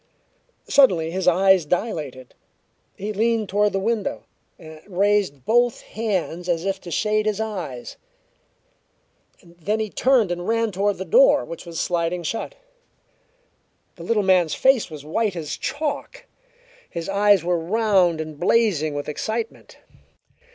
Suddenly his eyes dilated; he leaned toward the window, and raised both hands as if to shade his eyes. Then he turned and ran toward the door, which was sliding shut. The little man's face was white as chalk; his eyes were round and blazing with excitement.